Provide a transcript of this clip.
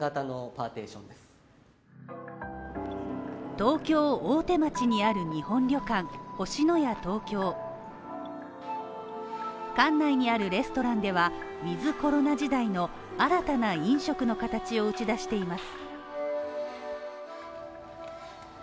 東京・大手町にある日本旅館星のや東京館内にあるレストランではウィズ・コロナ時代の新たな飲食の形を打ち出しています。